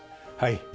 はい。